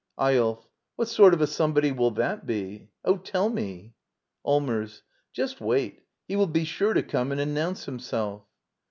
Eyolf. What sort of a somebody will that be? Oh, tell me! Allmers. Just wait! He will be sure to come and announce himself.